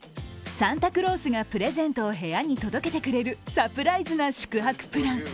サンタクロースがプレゼントを部屋に届けてくれる、サプライズ名宿泊プラン。